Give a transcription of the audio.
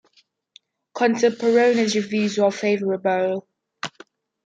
Contemporaneous reviews were favorable.